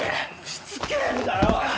しつけえんだよ！